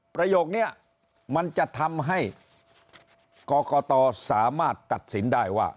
ประโยคนี้มันจะทำให้กรกตสามารถตัดสินได้ว่า